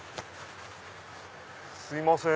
すいません。